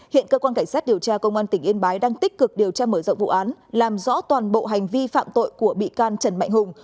hiện cơ quan cảnh sát điều tra công an tỉnh yên bái đang tích cực điều tra mở rộng vụ án làm rõ toàn bộ hành vi phạm tội của bị can trần mạnh hùng